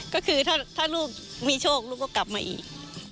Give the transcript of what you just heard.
ก็คือถ้าลูกมีโชคลูกก็กลับมาอีก